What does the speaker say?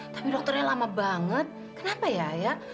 tapi dokternya lama banget kenapa ya ya